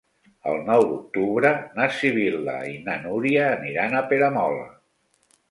El nou d'octubre na Sibil·la i na Núria aniran a Peramola.